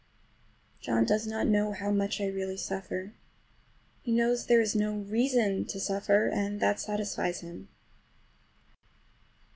John does not know how much I really suffer. He knows there is no reason to suffer, and that satisfies him.